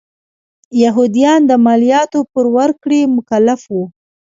یهودیان د مالیاتو په ورکړې مکلف و.